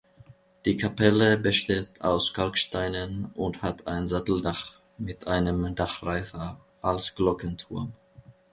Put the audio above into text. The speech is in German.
Die Kapelle besteht aus Kalksteinen und hat ein Satteldach mit einem Dachreiter als Glockenturm.